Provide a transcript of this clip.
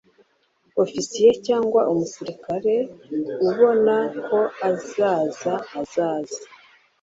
Ofisiye cyangwa Umusirikare ubona ko azaza azaze